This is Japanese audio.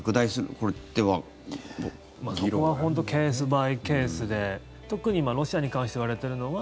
そこは本当にケース・バイ・ケースで特にロシアに関していわれているのは。